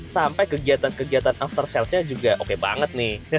sampai kegiatan kegiatan after salesnya juga oke banget nih